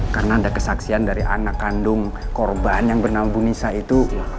karena ada kesaksian dari anak kandung korban yang bernama bu nisa itu